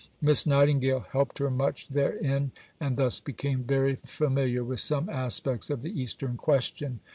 Miss Nightingale helped her much therein, and thus became very familiar with some aspects of the Eastern Question.